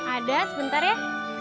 ada sebentar ya